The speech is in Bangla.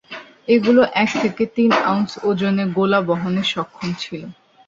এগুলো এক থেকে তিন আউন্স ওজনের গোলা বহনে সক্ষম ছিল।